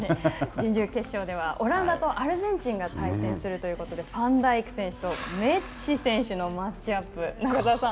準々決勝ではオランダとアルゼンチンが対戦するということで、ファンダイク選手とメッシ選手のマッチアップ、中澤さん。